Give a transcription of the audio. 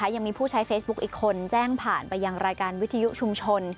ยังมีผู้ใช้เฟซบุ๊คอีกคนแจ้งผ่านไปยังรายการวิทยุชุมชน